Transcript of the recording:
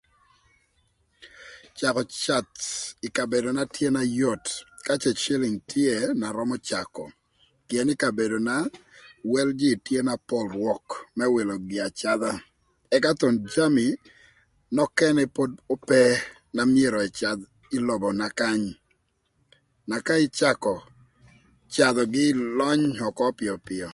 Cakö cath ï kabedona tye na yot ka cë cïlïng tye na römö cakö. Pïën ï kabedona wel jïï tye na pol rwök më wïlö gin acadha ëka thon jami nökënë pod ope na myero ëcadh ï lobona kany na ka ïcakö cadhögï ïlöny ökö pïöpïö.